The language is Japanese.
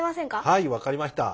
はいわかりました。